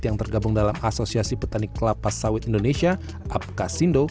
yang tergabung dalam asosiasi petani kelapa sawit indonesia apkasindo